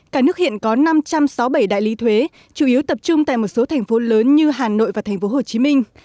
cả nước hiện có năm trăm sáu mươi bảy đại lý thuế chủ yếu tập trung tại một số thành phố lớn như hà nội và tp hcm